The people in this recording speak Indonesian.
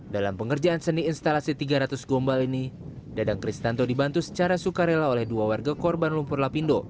dalam pengerjaan seni instalasi tiga ratus gombal ini dadang kristanto dibantu secara sukarela oleh dua warga korban lumpur lapindo